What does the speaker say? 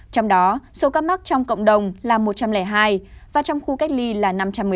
trong đó số ca mắc trong cộng đồng là một trăm linh hai và trong khu cách ly là năm trăm một mươi tám ca